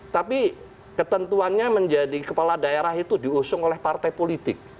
tapi ketentuannya menjadi kepala daerah itu diusung oleh partai politik